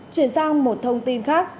chuyển sang một thông tin khác